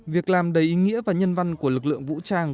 việc làm đầy ý nghĩa và nhân văn của lực lượng vũ trang